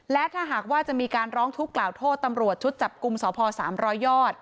และถ้าหากว่าจะมีการร้องทุกข์กล่าวโทษตำรวจชุดจับกลุ่มสพ๓๐๐ยอด